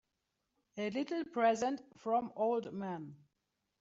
A little present from old man.